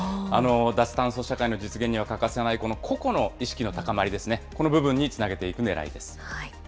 脱炭素社会の実現には欠かせないこの個々の意識の高まりですね、この部分につなげていくねらいです。